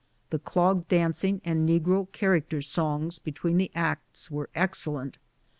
The clog dancing and negro character songs between the acts were excellent.